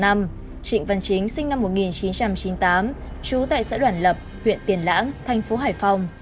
trịnh văn chính sinh năm một nghìn chín trăm chín mươi tám trú tại xã đoàn lập huyện tiền lãng thành phố hải phòng